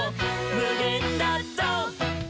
「むげんだぞう！」